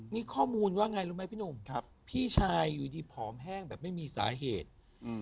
นี่ข้อมูลว่าไงรู้ไหมพี่หนุ่มครับพี่ชายอยู่ดีผอมแห้งแบบไม่มีสาเหตุอืม